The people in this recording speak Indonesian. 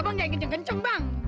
abang jangan kenceng kenceng bang